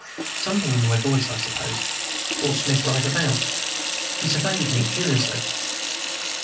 Something in my voice, I suppose, brought Smith right about. He surveyed me curiously.